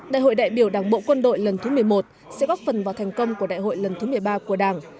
đại hội đại biểu đảng bộ quân đội lần thứ một mươi một sẽ góp phần vào thành công của đại hội lần thứ một mươi ba của đảng